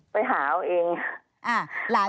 ไปหาเอาเอง